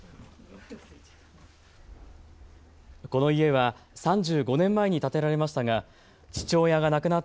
この家は３５年前に建てられましたが父親が亡くなった